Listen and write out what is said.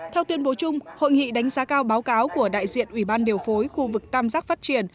theo tuyên bố chung hội nghị đánh giá cao báo cáo của đại diện ủy ban điều phối khu vực tam giác phát triển